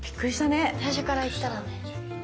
最初からいったらね。